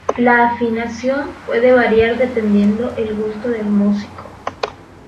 La afinación puede variar dependiendo el gusto del músico.